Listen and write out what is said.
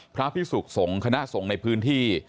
พระพิสุขสงฆ์คณะสงฆ์ในพื้นที่